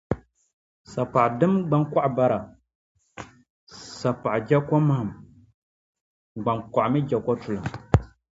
Sapaɣu dimi gbankɔɣu bara; sapaɣu je komahim, gbankɔɣu mi je kotulim.